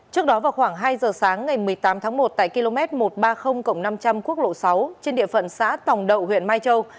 trước đó vào khoảng hai giờ sáng ngày một mươi tám tháng một tại km một trăm ba mươi năm trăm linh quốc lộ sáu trên địa phận xã tòng đậu huyện mai châu